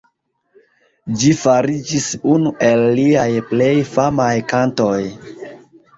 Ĝi fariĝis unu el liaj plej famaj kantoj.